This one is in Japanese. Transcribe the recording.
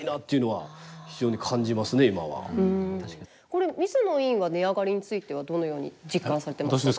これ水野委員は値上がりについてはどのように実感されてますか？